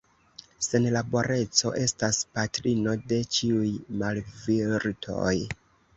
Senlaboreco estas patrino de ĉiuj malvirtoj.